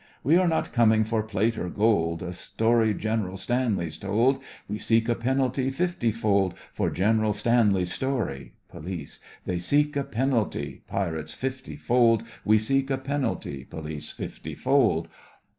We are not coming for plate or gold; A story General Stanley's told; We seek a penalty fifty fold, For General Stanley's story. POLICE: They seek a penalty PIRATES: Fifty fold! We seek a penalty POLICE: Fifty fold!